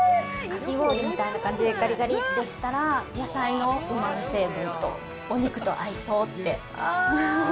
かき氷みたいな感じにがりがりっとしたら、野菜のうまみ成分とお肉と合いそうって。